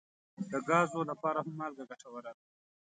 د ګازو لپاره هم مالګه ګټوره ده.